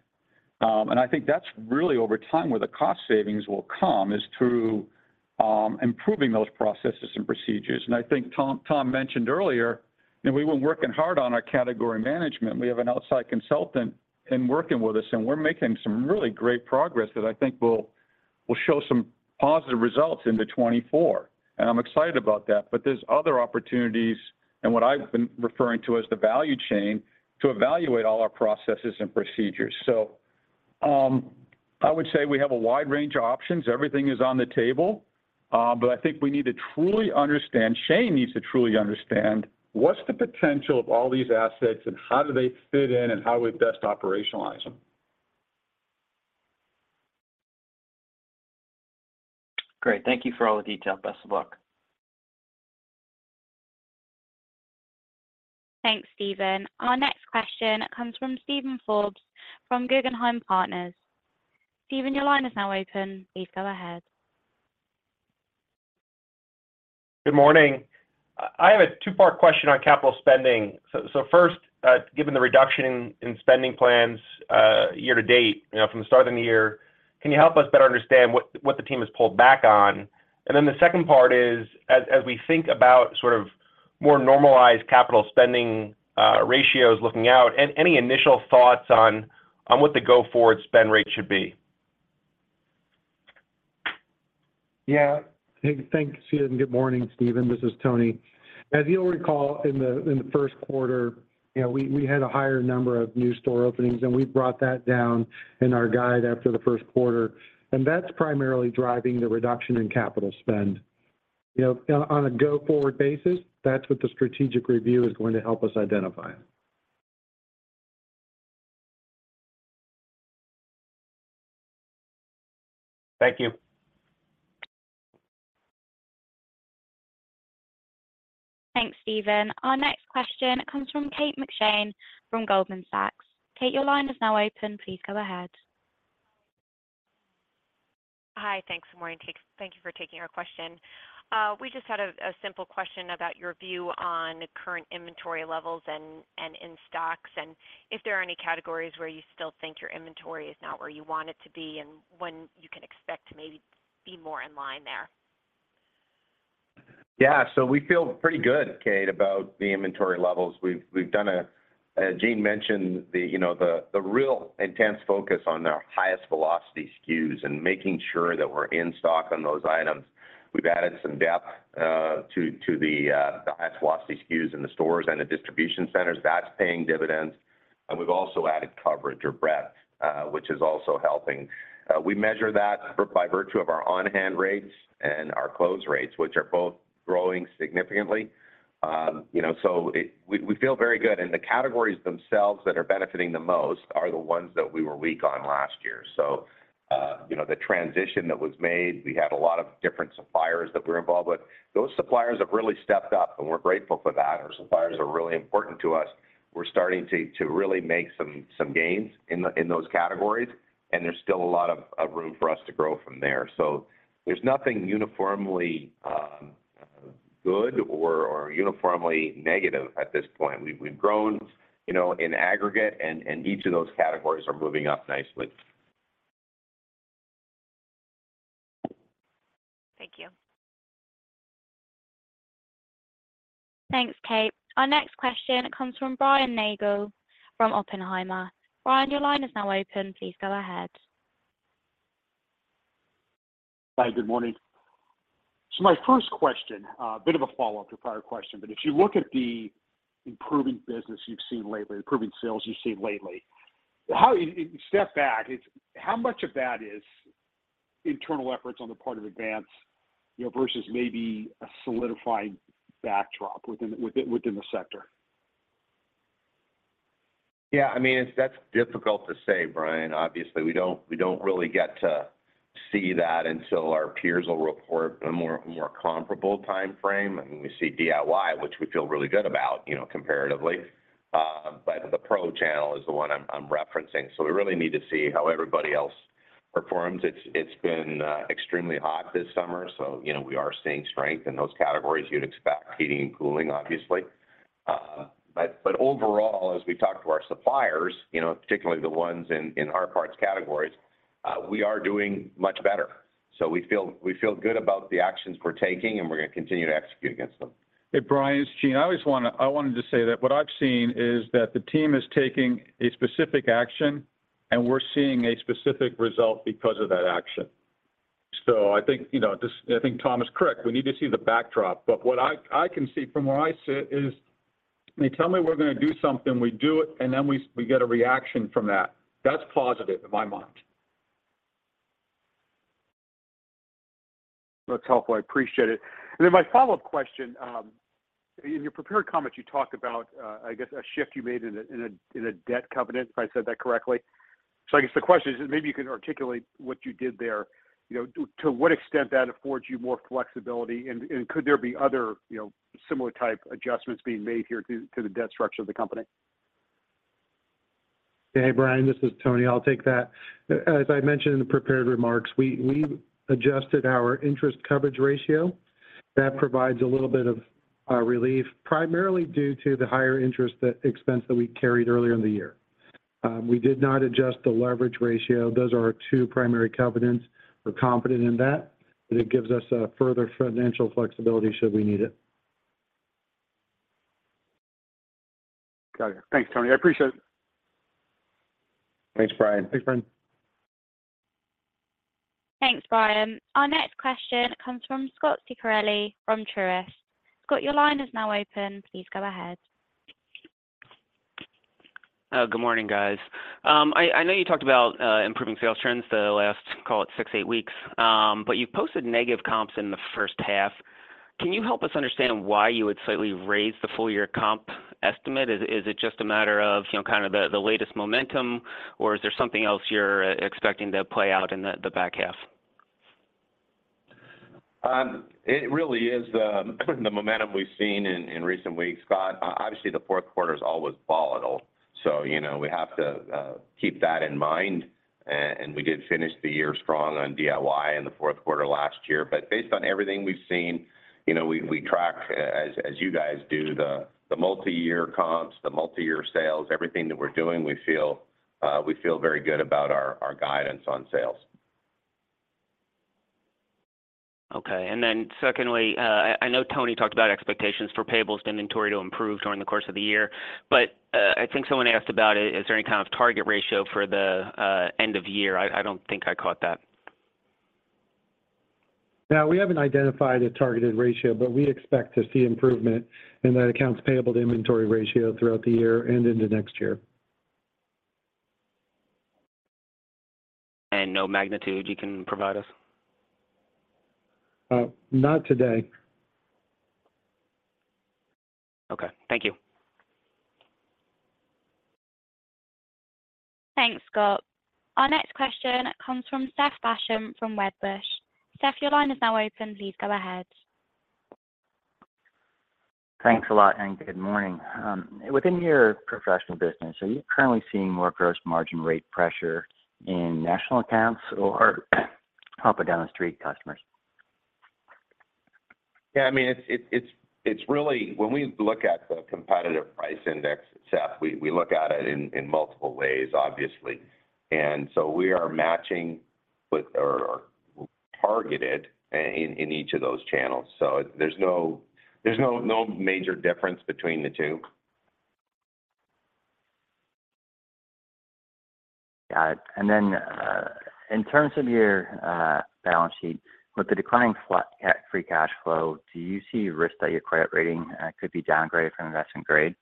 I think that's really over time, where the cost savings will come, is through improving those processes and procedures. I think Tom, Tom mentioned earlier that we were working hard on our category management. We have an outside consultant in working with us, and we're making some really great progress that I think will, will show some positive results into 24. I'm excited about that. There's other opportunities, and what I've been referring to as the value chain, to evaluate all our processes and procedures. I would say we have a wide range of options. Everything is on the table, I think we need to truly understand, Shane needs to truly understand what's the potential of all these assets and how do they fit in and how we best operationalize them. Great. Thank you for all the detail. Best of luck. Thanks, Steven. Our next question comes from Steven Forbes, from Guggenheim Partners. Steven, your line is now open. Please go ahead. Good morning. I have a two-part question on capital spending. First, given the reduction in spending plans year to date, you know, from the start of the year, can you help us better understand what the team has pulled back on? The second part is, as we think about sort of more normalized capital spending ratios looking out, any initial thoughts on what the go-forward spend rate should be? Yeah. Thank, thanks, Steven, good morning, Steven. This is Tony. As you'll recall, in the, in the first quarter, you know, we, we had a higher number of new store openings, we brought that down in our guide after the first quarter, that's primarily driving the reduction in capital spend. You know, on a go-forward basis, that's what the strategic review is going to help us identify. Thank you. Thanks, Steven. Our next question comes from Kate McShane from Goldman Sachs. Kate, your line is now open. Please go ahead. Hi, thanks. Morning, Kate. Thank you for taking our question. We just had a simple question about your view on current inventory levels and in stocks, and if there are any categories where you still think your inventory is not where you want it to be, and when you can expect to maybe be more in line there? Yeah, we feel pretty good, Kate, about the inventory levels. We've, we've done a, Gene mentioned the, you know, the, the real intense focus on our highest velocity SKU and making sure that we're in stock on those items. We've added some depth, to, to the, the highest velocity SKU in the stores and the distribution centers. That's paying dividends, and we've also added coverage or breadth, which is also helping. We measure that by virtue of our on-hand rates and our close rates, which are both growing significantly. You know, it- we, we feel very good. The categories themselves that are benefiting the most are the ones that we were weak on last year. You know, the transition that was made, we had a lot of different suppliers that we're involved with. Those suppliers have really stepped up, and we're grateful for that. Our suppliers are really important to us. We're starting to really make some gains in the in those categories, and there's still a lot of room for us to grow from there. There's nothing uniformly good or uniformly negative at this point. We've grown, you know, in aggregate, and each of those categories are moving up nicely. Thank you. Thanks, Kate. Our next question comes from Brian Nagel from Oppenheimer. Brian, your line is now open. Please go ahead. Hi, good morning. My first question, a bit of a follow-up to a prior question, but if you look at the improving business you've seen lately, improving sales you've seen lately, how... if you step back, how much of that is internal efforts on the part of Advance, you know, versus maybe a solidifying backdrop within, within, within the sector? Yeah, I mean, it's that's difficult to say, Brian. Obviously, we don't, we don't really get to see that until our peers will report a more, more comparable timeframe. We see DIY, which we feel really good about, you know, comparatively. The Pro channel is the one I'm, I'm referencing, so we really need to see how everybody else performs. It's, it's been extremely hot this summer, so, you know, we are seeing strength in those categories. You'd expect heating and cooling, obviously. But overall, as we talk to our suppliers, you know, particularly the ones in, in hard parts categories, we are doing much better. We feel, we feel good about the actions we're taking, and we're gonna continue to execute against them. Hey, Brian, it's Gene. I always wanted to say that what I've seen is that the team is taking a specific action, and we're seeing a specific result because of that action. I think, you know, I think Tom is correct. We need to see the backdrop, but what I, I can see from where I sit is, they tell me we're gonna do something, we do it, and then we, we get a reaction from that. That's positive in my mind. That's helpful. I appreciate it. Then my follow-up question, in your prepared comments, you talked about, I guess, a shift you made in a, in a, in a debt covenant, if I said that correctly. I guess the question is, maybe you can articulate what you did there. You know, to, to what extent that affords you more flexibility, and, and could there be other, you know, similar type adjustments being made here to, to the debt structure of the company? Hey, Brian, this is Tony. I'll take that. As I mentioned in the prepared remarks, we, we adjusted our interest coverage ratio. That provides a little bit of relief, primarily due to the higher interest, the expense that we carried earlier in the year. We did not adjust the leverage ratio. Those are our two primary covenants. We're confident in that, but it gives us a further financial flexibility should we need it. Got it. Thanks, Tony. I appreciate it. Thanks, Brian. Thanks, Brian. Thanks, Brian. Our next question comes from Scot Ciccarelli from Truist. Scot, your line is now open. Please go ahead. Good morning, guys. I, I know you talked about, improving sales trends the last, call it, six, eight weeks. You've posted negative comps in the first half. Can you help us understand why you would slightly raise the full-year comp estimate? Is, is it just a matter of, you know, kind of the, the latest momentum, or is there something else you're expecting to play out in the, the back half? It really is the, the momentum we've seen in, in recent weeks, Scot. Obviously, the fourth quarter is always volatile, so, you know, we have to keep that in mind. We did finish the year strong on DIY in the fourth quarter last year. Based on everything we've seen, you know, we, we track, as, as you guys do, the, the multiyear comps, the multiyear sales, everything that we're doing, we feel very good about our, our guidance on sales. Okay. Secondly, I, I know Tony talked about expectations for payables inventory to improve during the course of the year. I think someone asked about it. Is there any kind of target ratio for the end of year? I, I don't think I caught that. Yeah, we haven't identified a targeted ratio, but we expect to see improvement in that accounts payable to inventory ratio throughout the year and into next year. No magnitude you can provide us? Not today. Okay. Thank you. Thanks, Scot. Our next question comes from Seth Basham from Wedbush. Seth, your line is now open. Please go ahead. Thanks a lot, good morning. Within your professional business, are you currently seeing more gross margin rate pressure in national accounts or up and down the street customers? Yeah, I mean, it's really when we look at the competitive price index, Seth, we look at it in multiple ways, obviously. We are matching with or targeted in each of those channels. There's no major difference between the two. Got it. Then, in terms of your balance sheet, with the declining flat free cash flow, do you see risk that your credit rating could be downgraded from investment grade?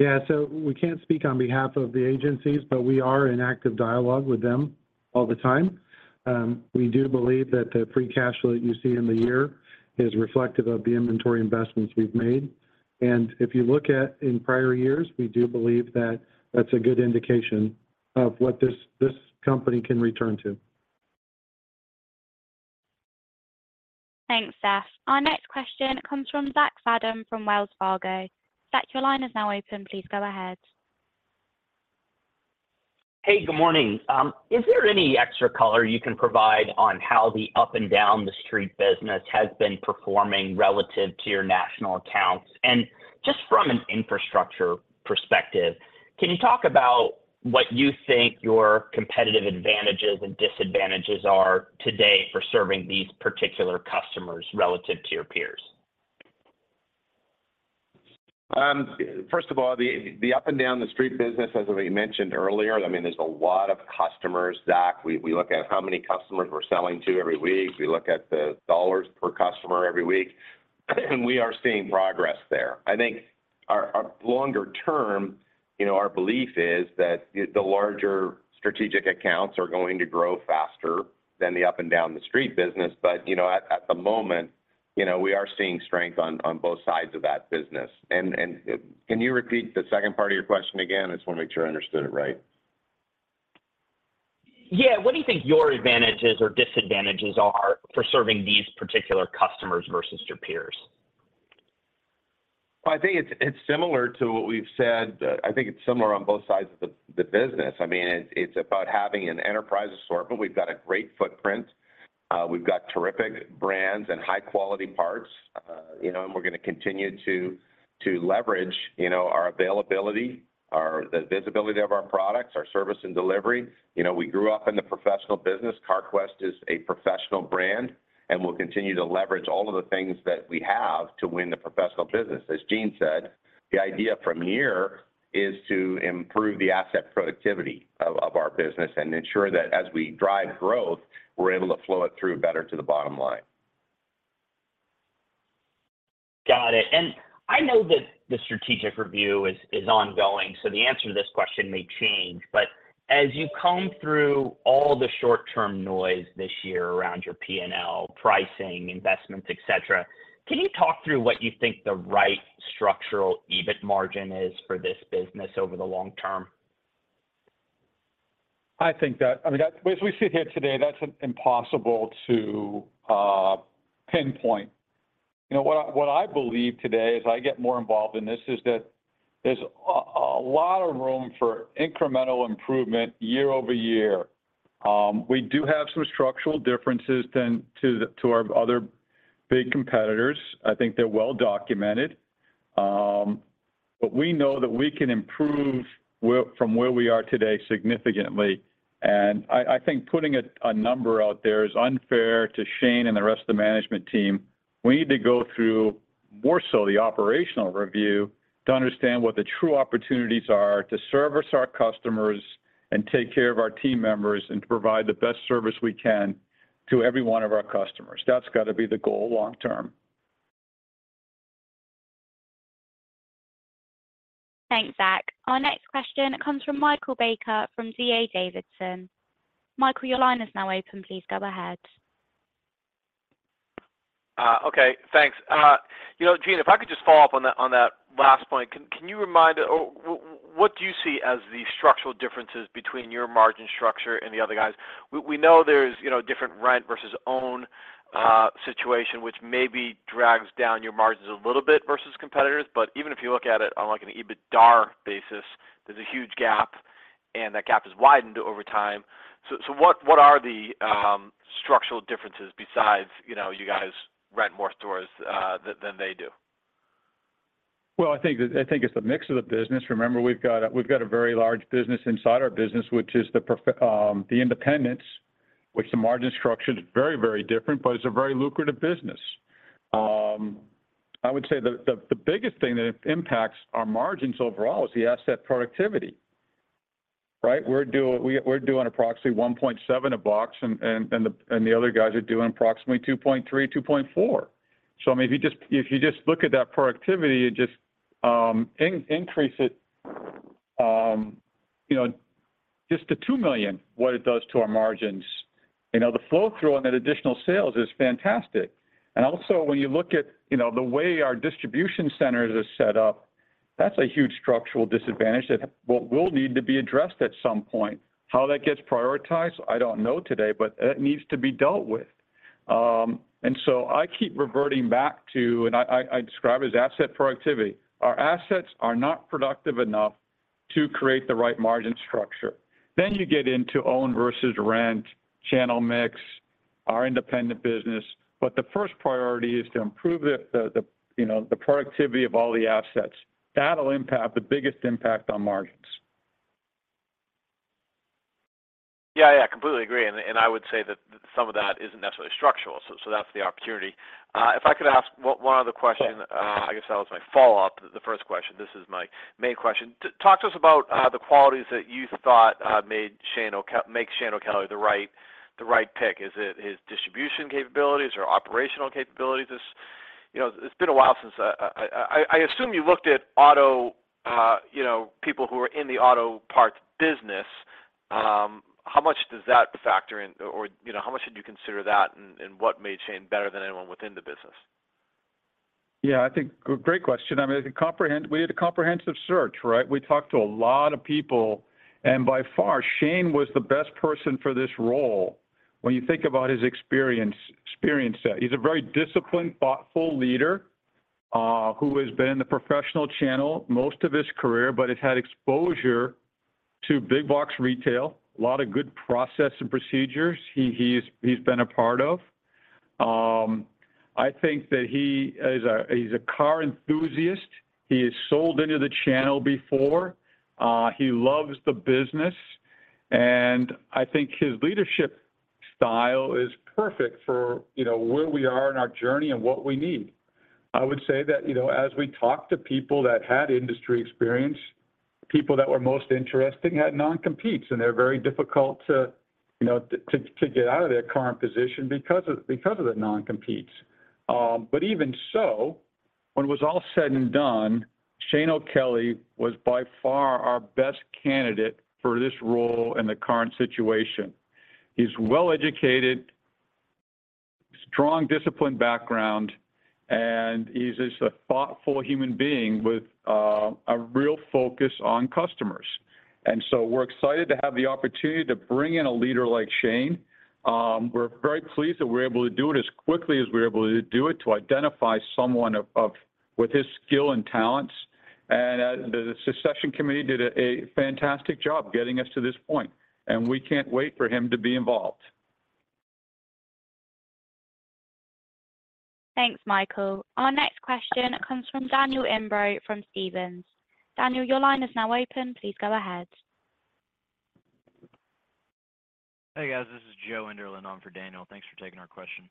We can't speak on behalf of the agencies, but we are in active dialogue with them all the time. We do believe that the free cash flow that you see in the year is reflective of the inventory investments we've made. If you look at in prior years, we do believe that that's a good indication of what this, this company can return to. Thanks, Seth. Our next question comes from Zachary Fadem from Wells Fargo. Zach, your line is now open. Please go ahead. Hey, good morning. Is there any extra color you can provide on how the up-and-down-the-street business has been performing relative to your national accounts? Just from an infrastructure perspective, can you talk about what you think your competitive advantages and disadvantages are today for serving these particular customers relative to your peers? First of all, the, the up-and-down-the-street business, as we mentioned earlier, I mean, there's a lot of customers, Zach. We, we look at how many customers we're selling to every week. We look at the dollars per customer every week, and we are seeing progress there. I think our, our longer term, you know, our belief is that the, the larger strategic accounts are going to grow faster than the up-and-down-the-street business. But, you know, at, at the moment, you know, we are seeing strength on, on both sides of that business. Can you repeat the second part of your question again? I just wanna make sure I understood it right. What do you think your advantages or disadvantages are for serving these particular customers versus your peers? I think it's, it's similar to what we've said. I think it's similar on both sides of the business. I mean, it's, it's about having an enterprise assortment. We've got a great footprint. We've got terrific brands and high-quality parts, you know, and we're gonna continue to leverage, you know, our availability, the visibility of our products, our service, and delivery. You know, we grew up in the professional business. Carquest is a professional brand, we'll continue to leverage all of the things that we have to win the professional business. As Gene said, the idea from here is to improve the asset productivity of our business and ensure that as we drive growth, we're able to flow it through better to the bottom line. Got it. I know that the strategic review is, is ongoing, so the answer to this question may change. As you comb through all the short-term noise this year around your P&L, pricing, investments, et cetera, can you talk through what you think the right structural EBIT margin is for this business over the long term? I think that, I mean, that, as we sit here today, that's impossible to pinpoint. You know, what I, what I believe today, as I get more involved in this, is that there's a lot of room for incremental improvement year-over-year. We do have some structural differences than to the, to our other big competitors. I think they're well documented. We know that we can improve where, from where we are today significantly. I, I think putting a number out there is unfair to Shane O'Kelly and the rest of the management team. We need to go through more so the operational review to understand what the true opportunities are to service our customers and take care of our team members, and to provide the best service we can to every one of our customers. That's gotta be the goal long term. Thanks, Zach. Our next question comes from Michael Baker, from D.A. Davidson. Michael, your line is now open. Please go ahead. Okay, thanks. you know, Gene, if I could just follow up on that, on that last point. Can, can you remind... Or what do you see as the structural differences between your margin structure and the other guys? We, we know there's, you know, different rent versus own situation, which maybe drags down your margins a little bit versus competitors, but even if you look at it on, like, an EBITDA basis, there's a huge gap, and that gap has widened over time. So what, what are the structural differences besides, you know, you guys rent more stores than they do? Well, I think it's the mix of the business. Remember, we've got a very large business inside our business, which is the independents, which the margin structure is very, very different, but it's a very lucrative business. I would say the biggest thing that impacts our margins overall is the asset productivity, right? We're doing approximately 1.7 a box, and the other guys are doing approximately 2.3, 2.4. I mean, if you just look at that productivity and just increase it, you know, just to $2 million, what it does to our margins. You know, the flow through on that additional sales is fantastic. Also, when you look at, you know, the way our distribution centers are set up, that's a huge structural disadvantage that will, will need to be addressed at some point. How that gets prioritized? I don't know today, but that needs to be dealt with. So I keep reverting back to, and I, I, I describe it as asset productivity. Our assets are not productive enough to create the right margin structure. You get into own versus rent, channel mix-... our independent business, but the first priority is to improve the, the, the, you know, the productivity of all the assets. That'll impact the biggest impact on margins. Yeah, yeah, I completely agree, and I would say that some of that isn't necessarily structural. That's the opportunity. If I could ask one other question. Sure. I guess that was my follow-up to the first question. This is my main question. Talk to us about the qualities that you thought makes Shane O'Kelly the right, the right pick. Is it his distribution capabilities or operational capabilities? You know, it's been a while since I, I, I assume you looked at auto, you know, people who are in the auto parts business. How much does that factor in? Or, you know, how much did you consider that, and, and what made Shane better than anyone within the business? Yeah, I think great question. I mean, I think comprehensive... We had a comprehensive search, right? We talked to a lot of people, by far, Shane was the best person for this role. When you think about his experience, experience set, he's a very disciplined, thoughtful leader, who has been in the professional channel most of his career, but has had exposure to big box retail. A lot of good process and procedures, he, he's, he's been a part of. I think that he is a, he's a car enthusiast. He has sold into the channel before. He loves the business, I think his leadership style is perfect for, you know, where we are in our journey and what we need. I would say that, you know, as we talked to people that had industry experience, people that were most interesting had non-competes, and they're very difficult to, you know, to get out of their current position because of the non-competes. Even so, when it was all said and done, Shane O'Kelly was by far our best candidate for this role in the current situation. He's well-educated, strong, disciplined background, and he's just a thoughtful human being with a real focus on customers. So we're excited to have the opportunity to bring in a leader like Shane. We're very pleased that we're able to do it as quickly as we're able to do it, to identify someone with his skill and talents. The succession committee did a fantastic job getting us to this point, and we can't wait for him to be involved. Thanks, Michael. Our next question comes from Daniel Imbro from Stephens. Daniel, your line is now open. Please go ahead. Hey, guys, this is Joe Enderlin on for Daniel. Thanks for taking our question.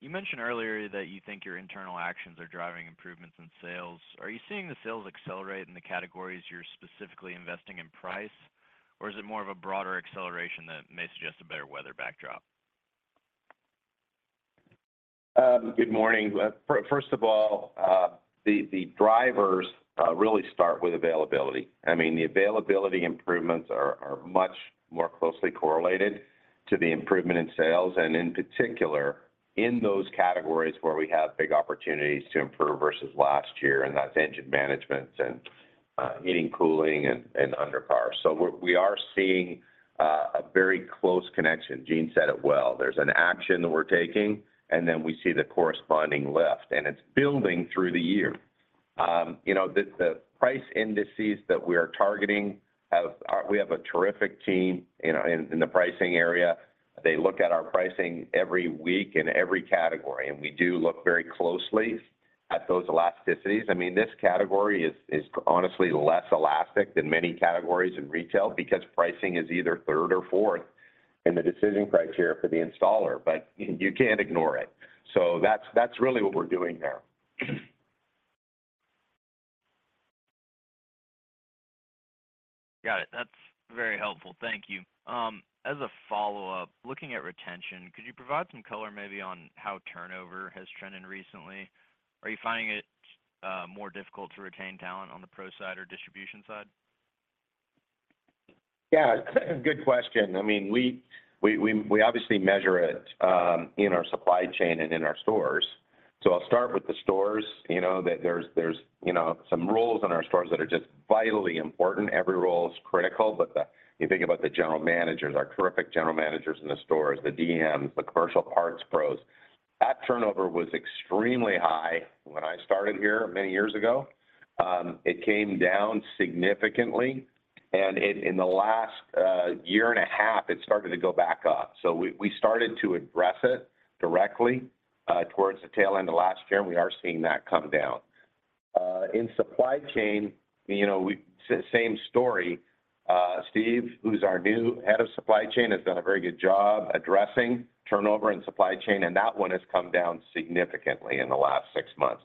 You mentioned earlier that you think your internal actions are driving improvements in sales. Are you seeing the sales accelerate in the categories you're specifically investing in price? Is it more of a broader acceleration that may suggest a better weather backdrop? Good morning. The drivers really start with availability. I mean, the availability improvements are much more closely correlated to the improvement in sales, and in particular, in those categories where we have big opportunities to improve versus last year, and that's engine management and heating, cooling, and undercar. We are seeing a very close connection. Gene said it well. There's an action that we're taking, then we see the corresponding lift, and it's building through the year. The price indices that we are targeting have. We have a terrific team in the pricing area. They look at our pricing every week in every category, and we do look very closely at those elasticities. I mean, this category is honestly less elastic than many categories in retail because pricing is either third or fourth in the decision criteria for the installer, you can't ignore it. That's really what we're doing there. Got it. That's very helpful. Thank you. As a follow-up, looking at retention, could you provide some color maybe on how turnover has trended recently? Are you finding it more difficult to retain talent on the Pro side or distribution side? Yeah, good question. I mean, we, we, we, we obviously measure it in our supply chain and in our stores. I'll start with the stores. You know, that there's, there's, you know, some roles in our stores that are just vitally important. Every role is critical, but you think about the general managers, our terrific general managers in the stores, the DMs, the Commercial Parts Pros. That turnover was extremely high when I started here many years ago. It came down significantly, and in the last year and a half, it started to go back up. We started to address it directly towards the tail end of last year, and we are seeing that come down. In supply chain, you know, same story. Steve, who's our new head of supply chain, has done a very good job addressing turnover and supply chain, and that one has come down significantly in the last six months.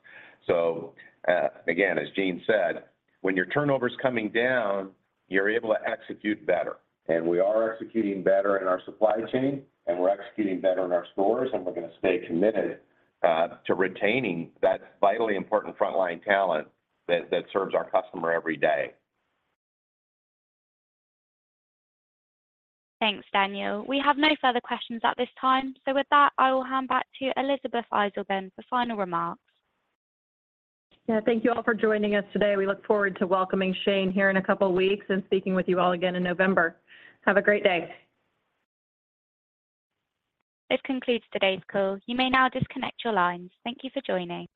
Again, as Gene said, when your turnover is coming down, you're able to execute better, and we are executing better in our supply chain, and we're executing better in our stores, and we're gonna stay committed to retaining that vitally important frontline talent that, that serves our customer every day. Thanks, Daniel. We have no further questions at this time. With that, I will hand back to Elisabeth Eisleben for final remarks. Yeah, thank you all for joining us today. We look forward to welcoming Shane here in a couple of weeks and speaking with you all again in November. Have a great day. This concludes today's call. You may now disconnect your lines. Thank you for joining.